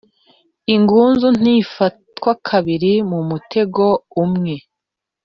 ingunzu ntifatwa kabiri mumutego umwe.